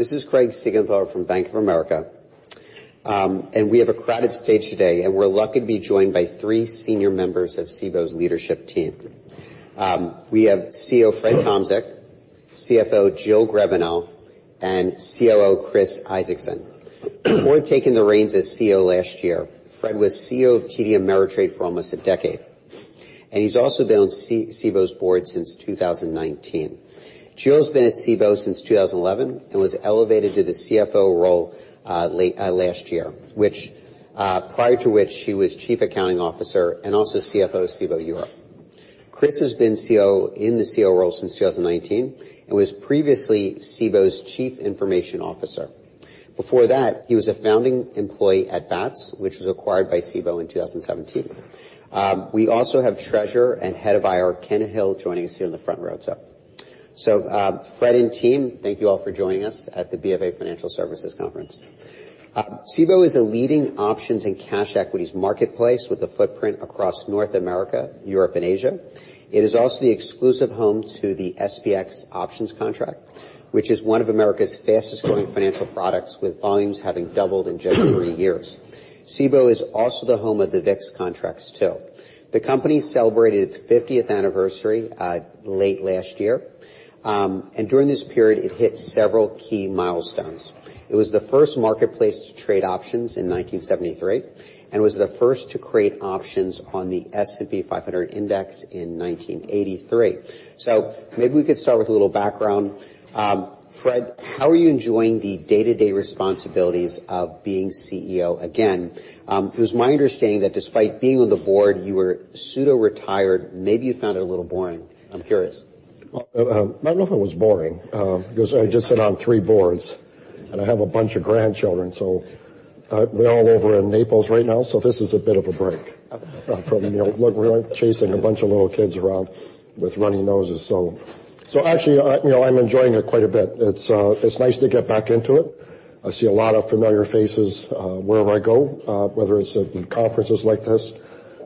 This is Craig Siegenthaler from Bank of America, and we have a crowded stage today, and we're lucky to be joined by three senior members of Cboe's leadership team. We have CEO Fred Tomczyk, CFO Jill Griebenow, and COO Chris Isaacson. Before taking the reins as CEO last year, Fred was CEO of TD Ameritrade for almost a decade, and he's also been on Cboe's board since 2019. Jill's been at Cboe since 2011 and was elevated to the CFO role last year, prior to which she was Chief Accounting Officer and also CFO of Cboe Europe. Chris has been in the COO role since 2019 and was previously Cboe's Chief Information Officer. Before that, he was a founding employee at Bats, which was acquired by Cboe in 2017. We also have Treasurer and Head of IR, Ken Hill, joining us here in the front row. So Fred and team, thank you all for joining us at the BFA Financial Services Conference. Cboe is a leading options and cash equities marketplace with a footprint across North America, Europe, and Asia. It is also the exclusive home to the SPX Options contract, which is one of America's fastest-growing financial products, with volumes having doubled in just 3 years. Cboe is also the home of the VIX contracts, too. The company celebrated its 50th anniversary late last year, and during this period, it hit several key milestones. It was the first marketplace to trade options in 1973 and was the first to create options on the S&P 500 index in 1983. So maybe we could start with a little background. Fred, how are you enjoying the day-to-day responsibilities of being CEO again? It was my understanding that despite being on the board, you were pseudo-retired. Maybe you found it a little boring. I'm curious. Well, I don't know if it was boring because I just sit on three boards, and I have a bunch of grandchildren, so they're all over in Naples right now. So this is a bit of a break from chasing a bunch of little kids around with runny noses. So actually, I'm enjoying it quite a bit. It's nice to get back into it. I see a lot of familiar faces wherever I go, whether it's at conferences like this,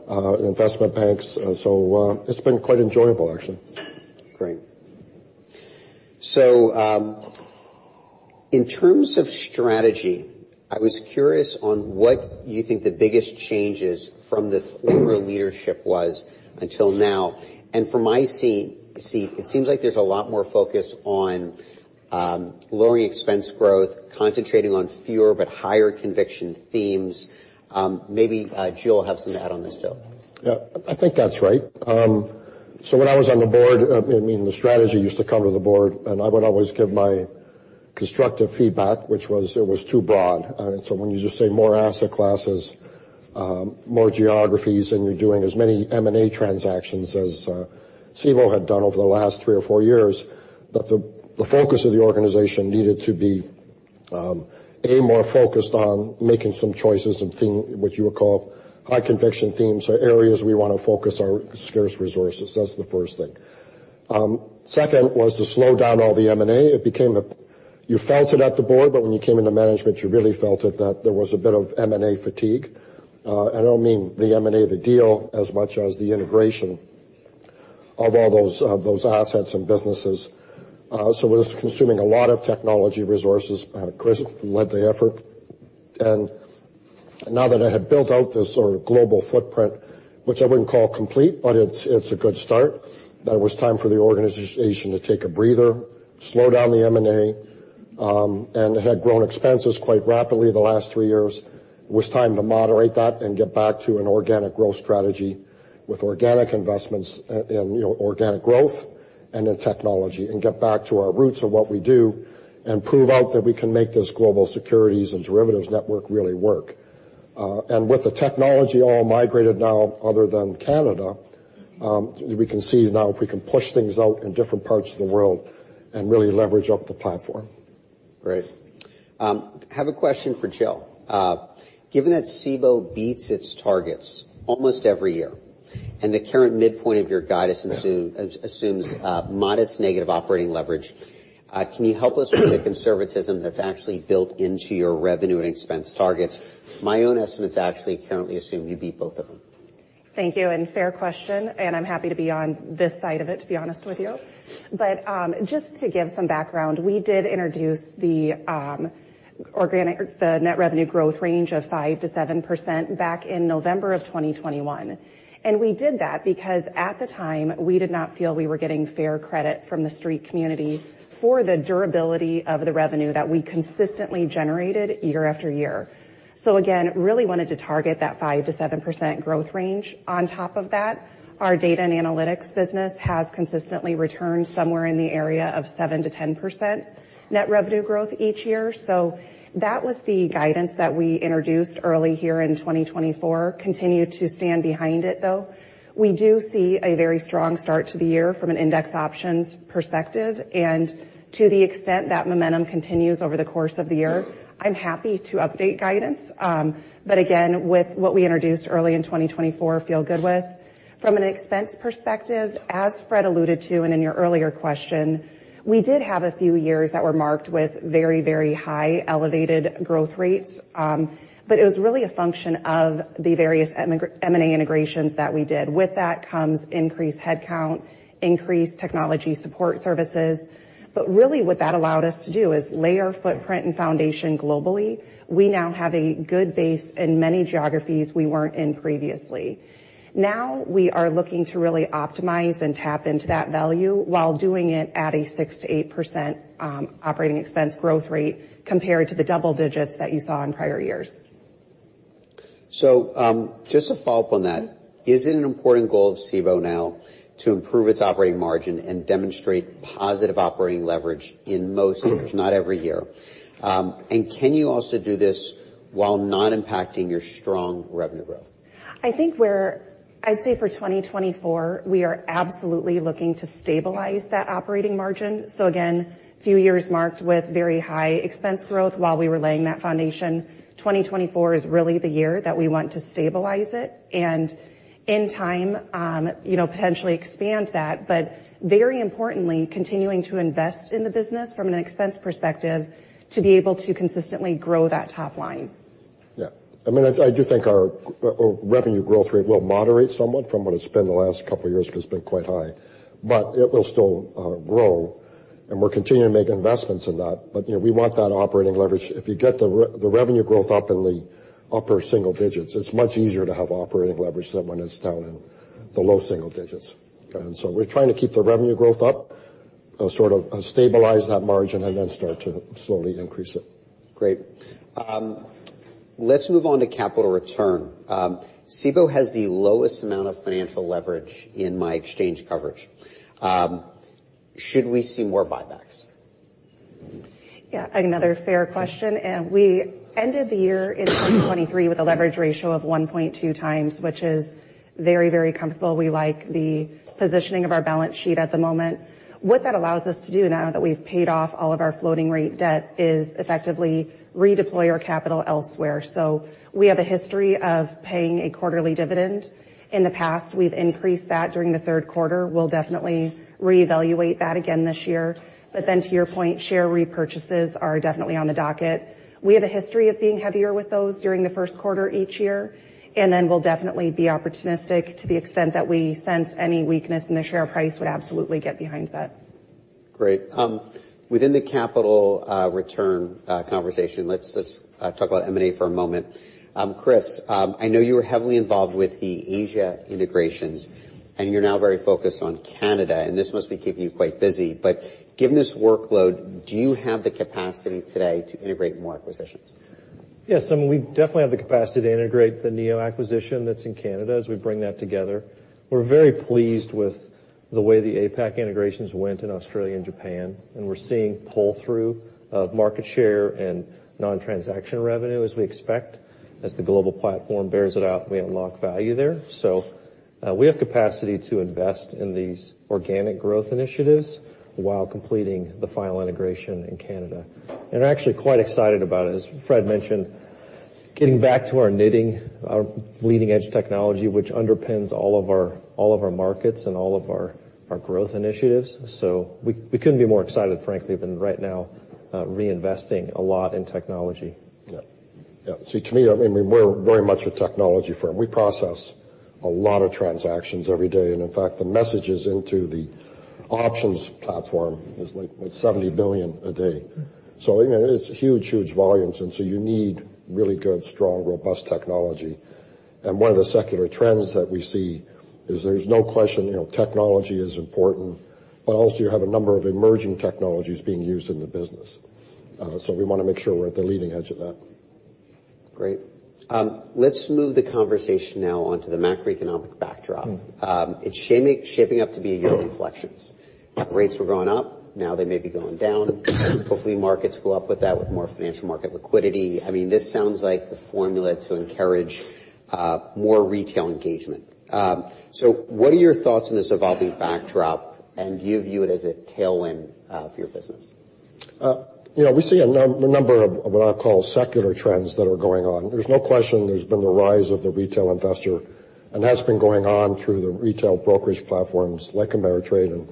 investment banks. So it's been quite enjoyable, actually. Great. So in terms of strategy, I was curious on what you think the biggest change is from the former leadership was until now. And from my seat, it seems like there's a lot more focus on lowering expense growth, concentrating on fewer but higher conviction themes. Maybe Jill will have something to add on this, too. Yeah, I think that's right. So when I was on the board, I mean, the strategy used to come to the board, and I would always give my constructive feedback, which was it was too broad. And so when you just say more asset classes, more geographies, and you're doing as many M&A transactions as Cboe had done over the last three or four years, that the focus of the organization needed to be, A, more focused on making some choices, what you would call high conviction themes, or areas we want to focus our scarce resources. That's the first thing. Second was to slow down all the M&A. You felt it at the board, but when you came into management, you really felt it that there was a bit of M&A fatigue. I don't mean the M&A, the deal, as much as the integration of all those assets and businesses. It was consuming a lot of technology resources. Chris led the effort. Now that I had built out this sort of global footprint, which I wouldn't call complete, but it's a good start, that it was time for the organization to take a breather, slow down the M&A, and it had grown expenses quite rapidly the last three years. It was time to moderate that and get back to an organic growth strategy with organic investments and organic growth and then technology and get back to our roots of what we do and prove out that we can make this global securities and derivatives network really work. With the technology all migrated now other than Canada, we can see now if we can push things out in different parts of the world and really leverage up the platform. Great. I have a question for Jill. Given that Cboe beats its targets almost every year and the current midpoint of your guidance assumes modest negative operating leverage, can you help us with the conservatism that's actually built into your revenue and expense targets? My own estimate's actually currently assume you beat both of them. Thank you. Fair question. I'm happy to be on this side of it, to be honest with you. But just to give some background, we did introduce the net revenue growth range of 5%-7% back in November of 2021. We did that because at the time, we did not feel we were getting fair credit from the street community for the durability of the revenue that we consistently generated year after year. So again, really wanted to target that 5%-7% growth range. On top of that, our data and analytics business has consistently returned somewhere in the area of 7%-10% net revenue growth each year. That was the guidance that we introduced early here in 2024. Continue to stand behind it, though. We do see a very strong start to the year from an index options perspective. To the extent that momentum continues over the course of the year, I'm happy to update guidance. But again, with what we introduced early in 2024, feel good with. From an expense perspective, as Fred alluded to and in your earlier question, we did have a few years that were marked with very, very high elevated growth rates, but it was really a function of the various M&A integrations that we did. With that comes increased headcount, increased technology support services. But really, what that allowed us to do is lay our footprint and foundation globally. We now have a good base in many geographies we weren't in previously. Now we are looking to really optimize and tap into that value while doing it at a 6%-8% operating expense growth rate compared to the double digits that you saw in prior years. Just a follow-up on that, is it an important goal of Cboe now to improve its operating margin and demonstrate positive operating leverage in most years, not every year? And can you also do this while not impacting your strong revenue growth? I think I'd say for 2024, we are absolutely looking to stabilize that operating margin. So again, few years marked with very high expense growth while we were laying that foundation, 2024 is really the year that we want to stabilize it and in time potentially expand that. But very importantly, continuing to invest in the business from an expense perspective to be able to consistently grow that top line. Yeah. I mean, I do think our revenue growth rate will moderate somewhat from what it's been the last couple of years because it's been quite high, but it will still grow. And we're continuing to make investments in that. But we want that operating leverage. If you get the revenue growth up in the upper single digits, it's much easier to have operating leverage than when it's down in the low single digits. And so we're trying to keep the revenue growth up, sort of stabilize that margin, and then start to slowly increase it. Great. Let's move on to capital return. Cboe has the lowest amount of financial leverage in my exchange coverage. Should we see more buybacks? Yeah, another fair question. We ended the year in 2023 with a leverage ratio of 1.2 times, which is very, very comfortable. We like the positioning of our balance sheet at the moment. What that allows us to do now that we've paid off all of our floating rate debt is effectively redeploy our capital elsewhere. So we have a history of paying a quarterly dividend. In the past, we've increased that during the Q3. We'll definitely reevaluate that again this year. But then to your point, share repurchases are definitely on the docket. We have a history of being heavier with those during the Q1 each year. And then we'll definitely be opportunistic to the extent that we sense any weakness in the share price would absolutely get behind that. Great. Within the capital return conversation, let's talk about M&A for a moment. Chris, I know you were heavily involved with the Asia integrations, and you're now very focused on Canada. And this must be keeping you quite busy. But given this workload, do you have the capacity today to integrate more acquisitions? Yes. I mean, we definitely have the capacity to integrate the NEO acquisition that's in Canada as we bring that together. We're very pleased with the way the APAC integrations went in Australia and Japan. We're seeing pull-through of market share and non-transaction revenue as we expect. As the global platform bears it out, we unlock value there. We have capacity to invest in these organic growth initiatives while completing the final integration in Canada. We're actually quite excited about it. As Fred mentioned, getting back to our knitting, our leading-edge technology, which underpins all of our markets and all of our growth initiatives. We couldn't be more excited, frankly, than right now reinvesting a lot in technology. Yeah. Yeah. See, to me, I mean, we're very much a technology firm. We process a lot of transactions every day. And in fact, the messages into the options platform is like 70 billion a day. So it's huge, huge volumes. And so you need really good, strong, robust technology. And one of the secular trends that we see is there's no question technology is important, but also you have a number of emerging technologies being used in the business. So we want to make sure we're at the leading edge of that. Great. Let's move the conversation now onto the macroeconomic backdrop. It's shaping up to be a year of inflections. Rates were going up. Now they may be going down. Hopefully, markets go up with that, with more financial market liquidity. I mean, this sounds like the formula to encourage more retail engagement. So what are your thoughts on this evolving backdrop? And do you view it as a tailwind for your business? We see a number of what I call secular trends that are going on. There's no question there's been the rise of the retail investor and has been going on through the retail brokerage platforms like Ameritrade and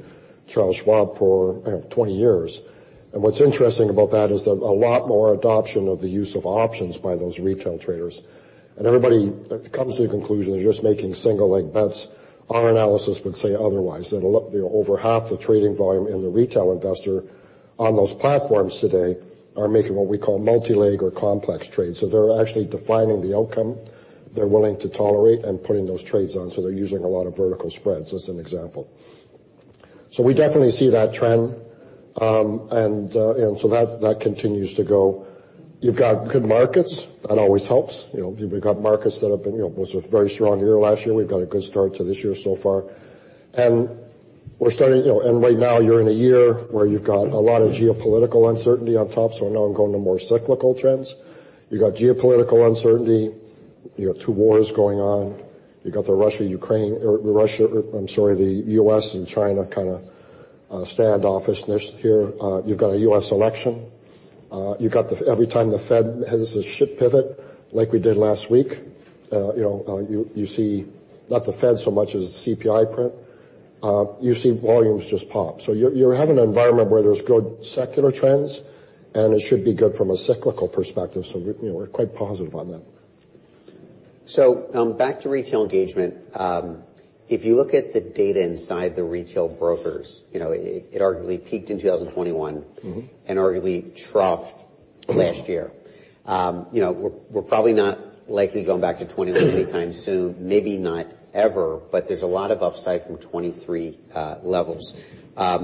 Charles Schwab for 20 years. What's interesting about that is a lot more adoption of the use of options by those retail traders. Everybody comes to the conclusion they're just making single-leg bets. Our analysis would say otherwise, that over half the trading volume in the retail investor on those platforms today are making what we call multi-leg or complex trades. They're actually defining the outcome they're willing to tolerate and putting those trades on. They're using a lot of vertical spreads as an example. We definitely see that trend. That continues to go. You've got good markets. That always helps. We've got markets that have been. It was a very strong year last year. We've got a good start to this year so far. Right now, you're in a year where you've got a lot of geopolitical uncertainty on top. So now I'm going to more cyclical trends. You've got geopolitical uncertainty. You've got two wars going on. You've got the Russia-Ukraine. Russia—I'm sorry, the U.S. and China kind of standoffishness here. You've got a U.S. election. Every time the Fed has a shift pivot like we did last week, you see not the Fed so much as the CPI print, you see volumes just pop. So you're having an environment where there's good secular trends, and it should be good from a cyclical perspective. So we're quite positive on that. So back to retail engagement, if you look at the data inside the retail brokers, it arguably peaked in 2021 and arguably troughed last year. We're probably not likely going back to 2021 anytime soon, maybe not ever, but there's a lot of upside from 2023 levels. Are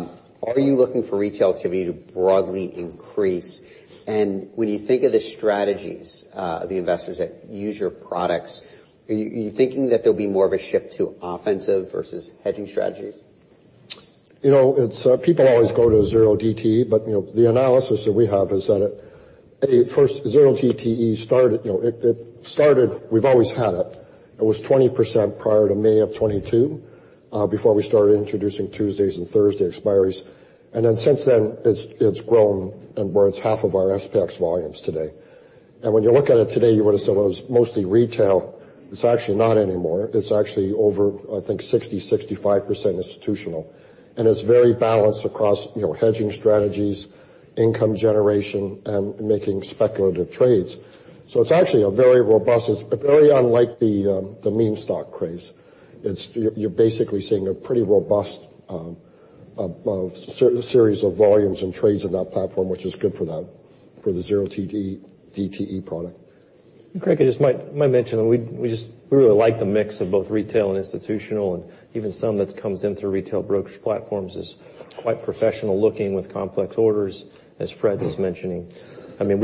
you looking for retail activity to broadly increase? And when you think of the strategies, the investors that use your products, are you thinking that there'll be more of a shift to offensive versus hedging strategies? It's people always go to 0DTE, but the analysis that we have is that, A, first, 0DTE started we've always had it. It was 20% prior to May of 2022 before we started introducing Tuesdays and Thursday expiries. And then since then, it's grown and where it's half of our SPX volumes today. And when you look at it today, you would have said it was mostly retail. It's actually not anymore. It's actually over, I think, 60%-65% institutional. And it's very balanced across hedging strategies, income generation, and making speculative trades. So it's actually a very robust it's very unlike the meme stock craze. You're basically seeing a pretty robust series of volumes and trades in that platform, which is good for the 0DTE product. Greg, I just might mention that we really like the mix of both retail and institutional. Even some that comes in through retail brokerage platforms is quite professional-looking with complex orders, as Fred was mentioning. I mean,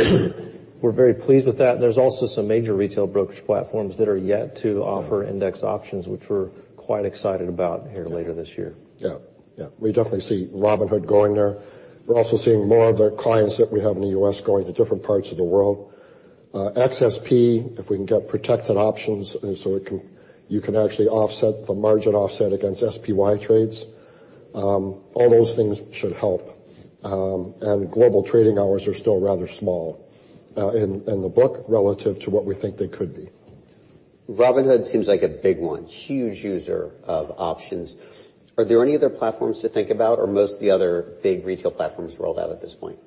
we're very pleased with that. There's also some major retail brokerage platforms that are yet to offer index options, which we're quite excited about here later this year. Yeah. Yeah. We definitely see Robinhood going there. We're also seeing more of the clients that we have in the U.S. going to different parts of the world. XSP, if we can get protected options so you can actually offset the margin offset against SPY trades, all those things should help. And global trading hours are still rather small in the book relative to what we think they could be. Robinhood seems like a big one, huge user of options. Are there any other platforms to think about, or most of the other big retail platforms rolled out at this point?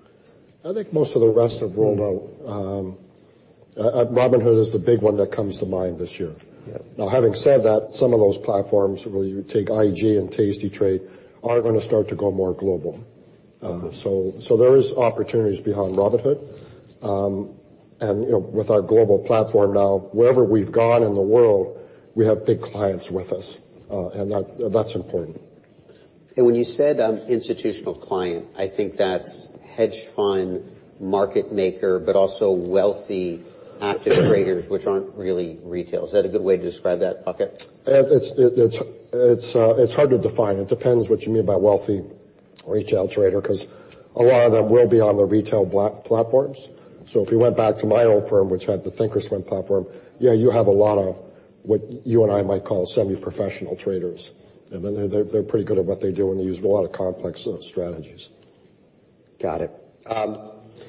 I think most of the rest have rolled out. Robinhood is the big one that comes to mind this year. Now, having said that, some of those platforms where you take IG and tastytrade are going to start to go more global. So there is opportunities beyond Robinhood. And with our global platform now, wherever we've gone in the world, we have big clients with us. And that's important. When you said institutional client, I think that's hedge fund market maker, but also wealthy active traders, which aren't really retail. Is that a good way to describe that pocket? It's hard to define. It depends what you mean by wealthy retail trader because a lot of them will be on the retail platforms. So if you went back to my old firm, which had the thinkorswim platform, yeah, you have a lot of what you and I might call semi-professional traders. And they're pretty good at what they do, and they use a lot of complex strategies. Got it.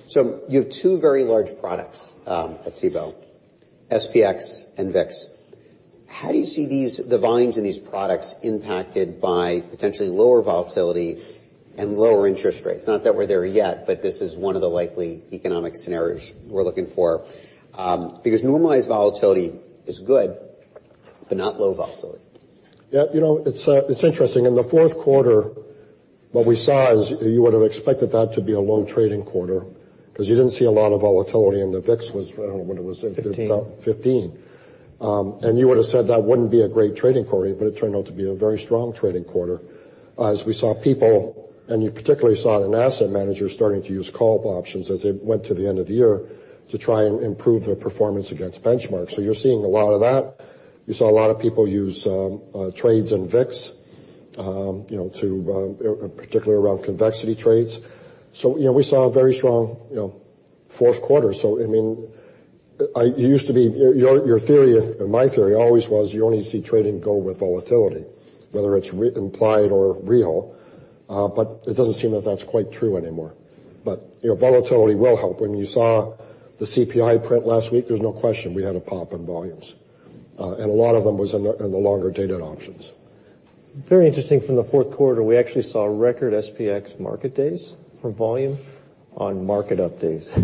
So you have two very large products at Cboe, SPX and VIX. How do you see the volumes in these products impacted by potentially lower volatility and lower interest rates? Not that we're there yet, but this is one of the likely economic scenarios we're looking for because normalized volatility is good, but not low volatility. Yeah. It's interesting. In the Q4, what we saw is you would have expected that to be a low trading quarter because you didn't see a lot of volatility. And the VIX was, I don't know, when it was. 15. You would have said that wouldn't be a great trading quarter, but it turned out to be a very strong trading quarter as we saw people and you particularly saw an asset manager starting to use call options as they went to the end of the year to try and improve their performance against benchmarks. So you're seeing a lot of that. You saw a lot of people use trades in VIX, particularly around convexity trades. So we saw a very strong Q4. So I mean, it used to be your theory and my theory always was you only see trading go with volatility, whether it's implied or real. But it doesn't seem that that's quite true anymore. But volatility will help. When you saw the CPI print last week, there's no question we had a pop in volumes. A lot of them was in the longer-dated options. Very interesting. From the Q4, we actually saw record SPX market days from volume on market updates.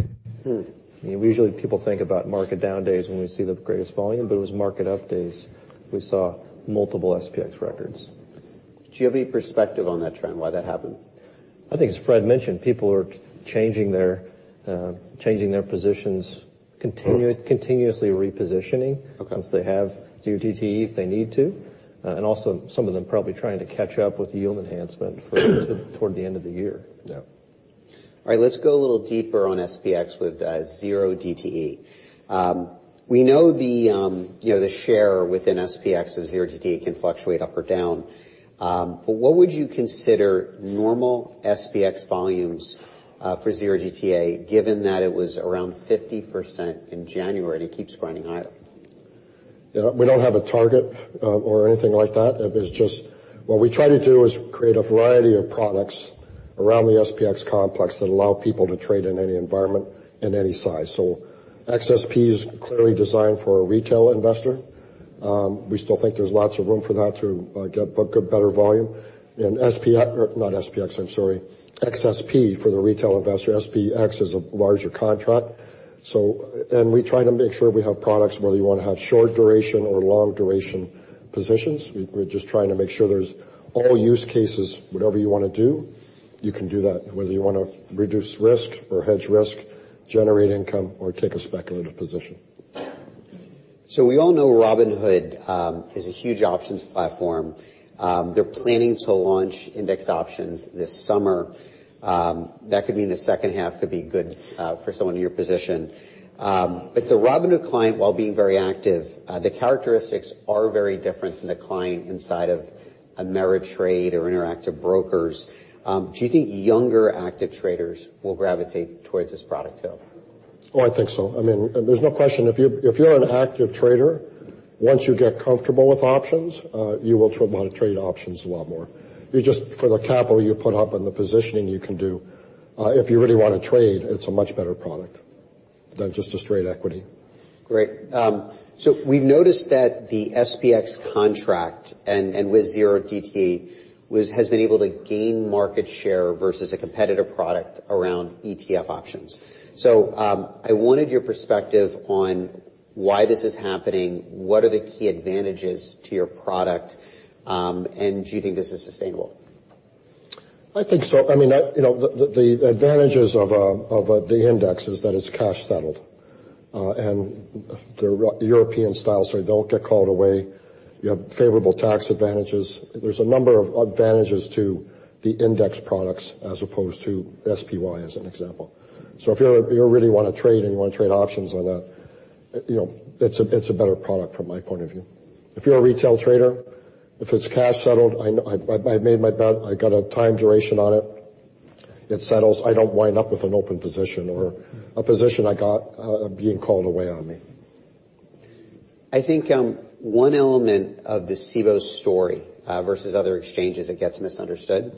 I mean, usually, people think about market down days when we see the greatest volume. But it was market updays we saw multiple SPX records. Do you have any perspective on that trend, why that happened? I think, as Fred mentioned, people are changing their positions, continuously repositioning since they have 0DTE if they need to, and also some of them probably trying to catch up with yield enhancement toward the end of the year. Yeah. All right. Let's go a little deeper on SPX with 0DTE. We know the share within SPX of 0DTE can fluctuate up or down. But what would you consider normal SPX volumes for 0DTE given that it was around 50% in January and it keeps grinding higher? Yeah. We don't have a target or anything like that. What we try to do is create a variety of products around the SPX complex that allow people to trade in any environment, in any size. So XSP is clearly designed for a retail investor. We still think there's lots of room for that to get better volume. And not SPX. I'm sorry. XSP for the retail investor. SPX is a larger contract. And we try to make sure we have products whether you want to have short-duration or long-duration positions. We're just trying to make sure there's all use cases, whatever you want to do, you can do that, whether you want to reduce risk or hedge risk, generate income, or take a speculative position. We all know Robinhood is a huge options platform. They're planning to launch index options this summer. That could mean the second half could be good for someone in your position. The Robinhood client, while being very active, the characteristics are very different than the client inside of Ameritrade or Interactive Brokers. Do you think younger active traders will gravitate towards this product too? Oh, I think so. I mean, there's no question. If you're an active trader, once you get comfortable with options, you will try to trade options a lot more. For the capital you put up and the positioning you can do, if you really want to trade, it's a much better product than just a straight equity. Great. So we've noticed that the SPX contract and with 0DTE has been able to gain market share versus a competitor product around ETF options. So I wanted your perspective on why this is happening. What are the key advantages to your product? And do you think this is sustainable? I think so. I mean, the advantages of the index is that it's cash-settled. And they're European-style, so they don't get called away. You have favorable tax advantages. There's a number of advantages to the index products as opposed to SPY, as an example. So if you really want to trade and you want to trade options on that, it's a better product from my point of view. If you're a retail trader, if it's cash-settled I made my bet. I got a time duration on it. It settles. I don't wind up with an open position or a position I got being called away on me. I think one element of the Cboe story versus other exchanges that gets misunderstood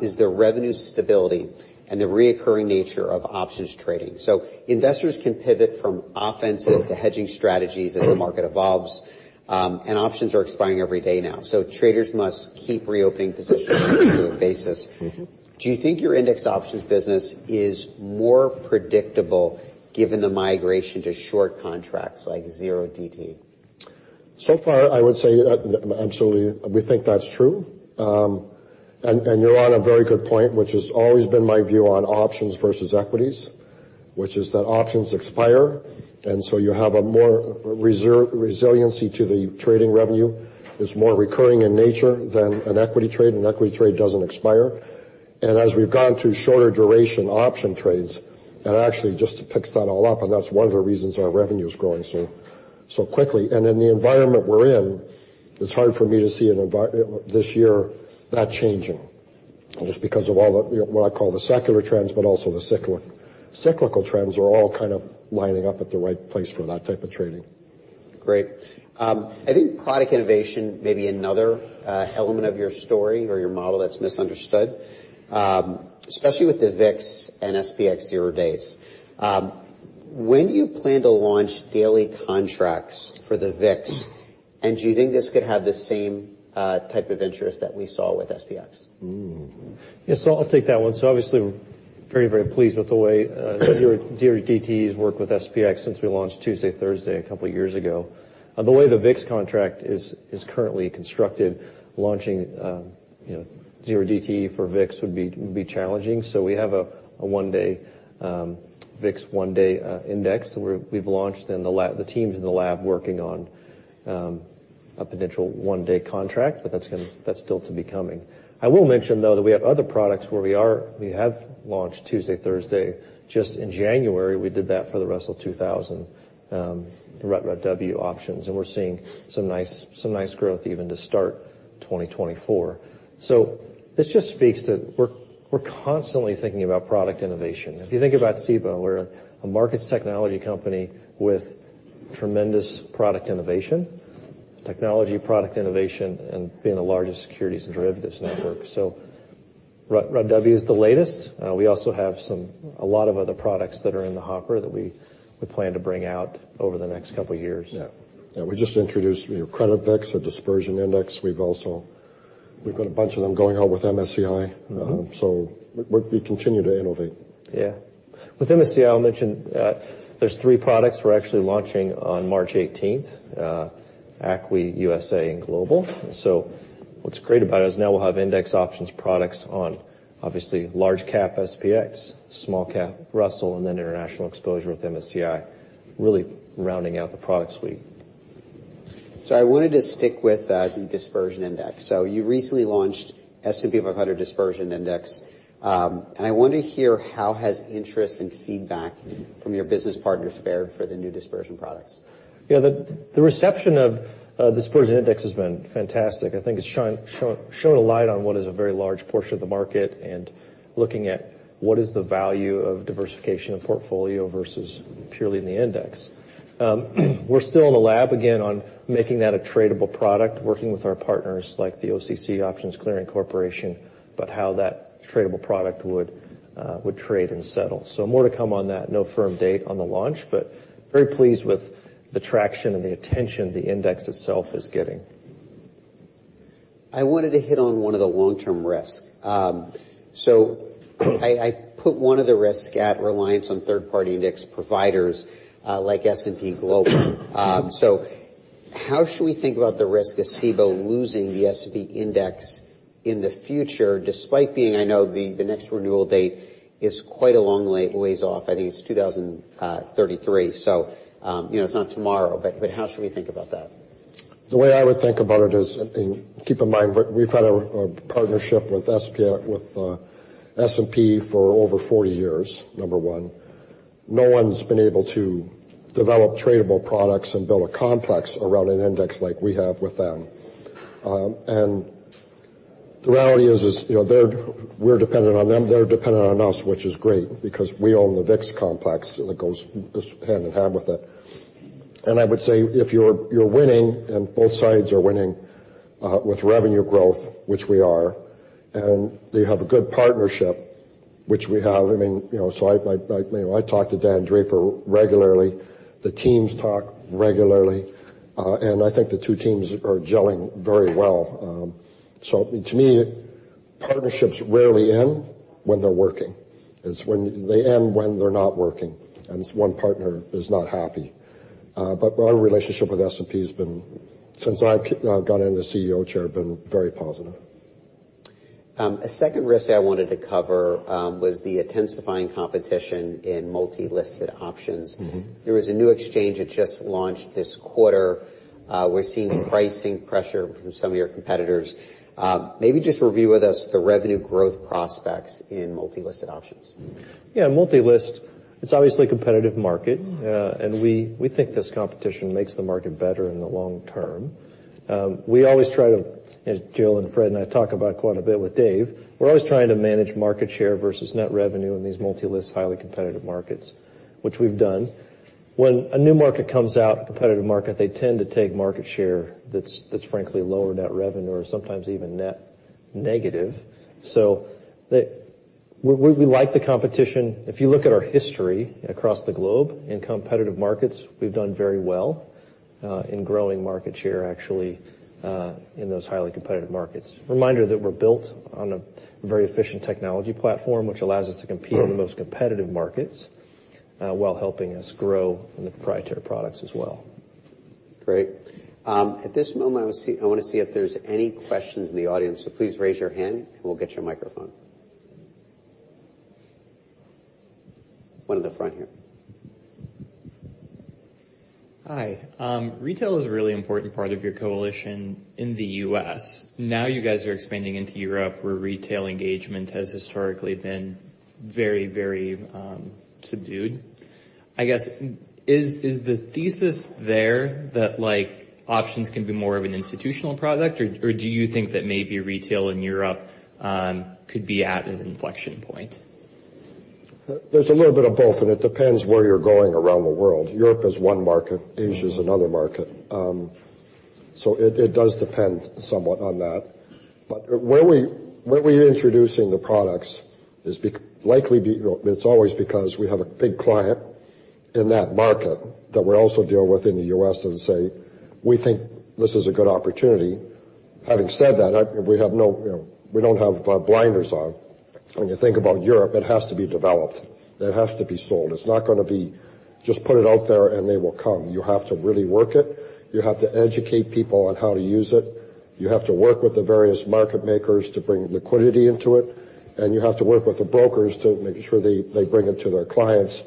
is the revenue stability and the recurring nature of options trading. So investors can pivot from offensive to hedging strategies as the market evolves. Options are expiring every day now. Traders must keep reopening positions on a regular basis. Do you think your index options business is more predictable given the migration to short contracts like 0DTE? So far, I would say absolutely, we think that's true. And you're on a very good point, which has always been my view on options versus equities, which is that options expire. And so you have a more resiliency to the trading revenue. It's more recurring in nature than an equity trade. An equity trade doesn't expire. And as we've gone to shorter-duration option trades and actually just to pick that all up, and that's one of the reasons our revenue is growing so quickly. And in the environment we're in, it's hard for me to see this year that changing just because of all what I call the secular trends, but also the cyclical trends are all kind of lining up at the right place for that type of trading. Great. I think product innovation, maybe another element of your story or your model that's misunderstood, especially with the VIX and SPX zero days. When do you plan to launch daily contracts for the VIX? And do you think this could have the same type of interest that we saw with SPX? Yeah. So I'll take that one. So obviously, we're very, very pleased with the way 0DTE has worked with SPX since we launched Tuesday, Thursday a couple of years ago. The way the VIX contract is currently constructed, launching 0DTE for VIX would be challenging. So we have a one-day VIX one-day index. The team's in the lab working on a potential one-day contract, but that's still to come. I will mention, though, that we have other products where we have launched Tuesday, Thursday. Just in January, we did that for the Russell 2000, the RUT/RUTW options. And we're seeing some nice growth even to start 2024. So this just speaks to we're constantly thinking about product innovation. If you think about Cboe, we're a markets technology company with tremendous product innovation, technology, product innovation, and being the largest securities and derivatives network. RUT RUTW is the latest. We also have a lot of other products that are in the hopper that we plan to bring out over the next couple of years. Yeah. Yeah. We just introduced Credit VIX, a dispersion index. We've got a bunch of them going on with MSCI. So we continue to innovate. Yeah. With MSCI, I'll mention there's three products we're actually launching on March 18th, ACWI, USA, and Global. What's great about it is now we'll have index options products on, obviously, large-cap SPX, small-cap Russell, and then international exposure with MSCI, really rounding out the product suite. I wanted to stick with the dispersion index. You recently launched S&P 500 Dispersion Index. I want to hear how has interest and feedback from your business partners fared for the new dispersion products? Yeah. The reception of the Dispersion Index has been fantastic. I think it's shone a light on what is a very large portion of the market and looking at what is the value of diversification in portfolio versus purely in the index. We're still in the lab, again, on making that a tradable product, working with our partners like the OCC Options Clearing Corporation, but how that tradable product would trade and settle. So more to come on that. No firm date on the launch, but very pleased with the traction and the attention the index itself is getting. I wanted to hit on one of the long-term risks. So I put one of the risks at reliance on third-party index providers like S&P Global. So how should we think about the risk of Cboe losing the S&P index in the future despite being, I know, the next renewal date is quite a long ways off. I think it's 2033. So it's not tomorrow. But how should we think about that? The way I would think about it is keep in mind we've had a partnership with S&P for over 40 years, number one. No one's been able to develop tradable products and build a complex around an index like we have with them. And the reality is we're dependent on them. They're dependent on us, which is great because we own the VIX complex that goes hand in hand with it. And I would say if you're winning and both sides are winning with revenue growth, which we are, and they have a good partnership, which we have I mean, so I talk to Dan Draper regularly. The teams talk regularly. And I think the two teams are gelling very well. So to me, partnerships rarely end when they're working. They end when they're not working. And one partner is not happy. Our relationship with S&P has been, since I've gotten into the CEO chair, been very positive. A second risk I wanted to cover was the intensifying competition in multi-listed options. There was a new exchange that just launched this quarter. We're seeing pricing pressure from some of your competitors. Maybe just review with us the revenue growth prospects in multi-listed options. Yeah. Multi-listed, it's obviously a competitive market. We think this competition makes the market better in the long term. We always try to, as Jill and Fred and I talk about quite a bit with Dave, manage market share versus net revenue in these multi-listed, highly competitive markets, which we've done. When a new market comes out, a competitive market, they tend to take market share that's, frankly, lower net revenue or sometimes even net negative. We like the competition. If you look at our history across the globe in competitive markets, we've done very well in growing market share, actually, in those highly competitive markets. Reminder that we're built on a very efficient technology platform, which allows us to compete in the most competitive markets while helping us grow in the proprietary products as well. Great. At this moment, I want to see if there's any questions in the audience. So please raise your hand, and we'll get your microphone. One in the front here. Hi. Retail is a really important part of your coalition in the U.S. Now you guys are expanding into Europe, where retail engagement has historically been very, very subdued. I guess, is the thesis there that options can be more of an institutional product? Or do you think that maybe retail in Europe could be at an inflection point? There's a little bit of both. It depends where you're going around the world. Europe is one market. Asia is another market. It does depend somewhat on that. But where we're introducing the products is likely it's always because we have a big client in that market that we also deal with in the U.S. and say, "We think this is a good opportunity." Having said that, we don't have blinders on. When you think about Europe, it has to be developed. It has to be sold. It's not going to be just put it out there, and they will come. You have to really work it. You have to educate people on how to use it. You have to work with the various market makers to bring liquidity into it. You have to work with the brokers to make sure they bring it to their clients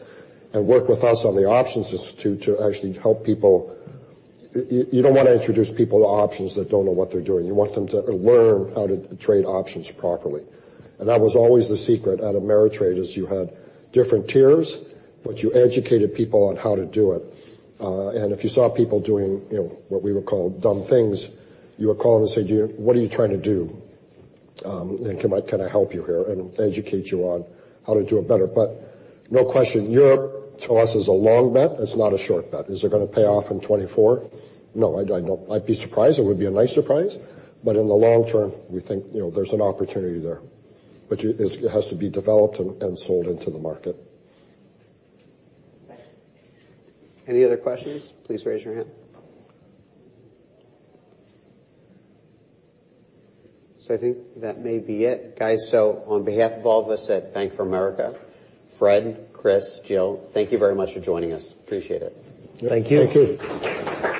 and work with us on the options institute to actually help people. You don't want to introduce people to options that don't know what they're doing. You want them to learn how to trade options properly. And that was always the secret at Ameritrade, is you had different tiers, but you educated people on how to do it. And if you saw people doing what we would call dumb things, you would call them and say, "What are you trying to do? And can I help you here and educate you on how to do it better?" But no question, Europe, to us, is a long bet. It's not a short bet. Is it going to pay off in 2024? No, I don't. I'd be surprised. It would be a nice surprise. In the long term, we think there's an opportunity there. It has to be developed and sold into the market. Any other questions? Please raise your hand. So I think that may be it, guys. So on behalf of all of us at Bank of America, Fred, Chris, Jill, thank you very much for joining us. Appreciate it. Thank you. Thank you.